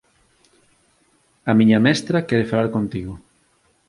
A miña mestra quere falar contigo.